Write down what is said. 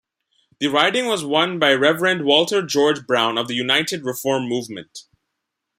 The riding was won by Reverend Walter George Brown of the United Reform Movement.